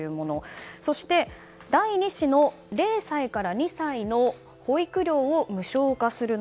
そして、第２子の０歳から２歳の保育料を無償化する。